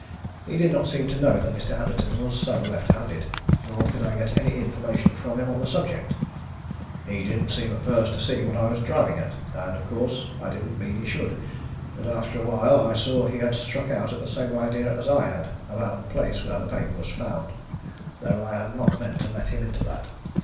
He did not seem to know that Mr. Anderton was so left handed, nor could I get any information from him on the subject. He didn't seem at first to see what I was driving at, and, of course, I didn't mean he should, but after a while I saw he had struck out the same idea as I had about the place where the paper was found, though I had not meant to let him into that.